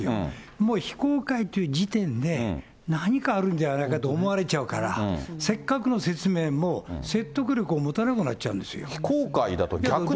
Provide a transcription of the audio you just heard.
もう非公開という時点で、何かあるんではないかと思われちゃうから、せっかくの説明も、説得力を非公開だと逆に。